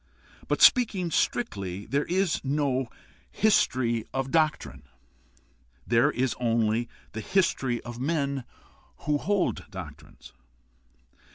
But speaking strictly, there is no history of doctrine ; there is only the history of men who hold doctrines.